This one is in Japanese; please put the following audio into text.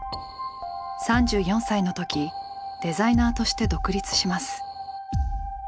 ３４歳の時デザイナーとして独立します。